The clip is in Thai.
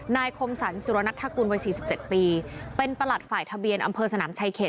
นายคมสรรสิรวนัทธกุลวัยสี่สิบเจ็ดปีเป็นประหลัดฝ่ายทะเบียนอำเภอสนามชายเขต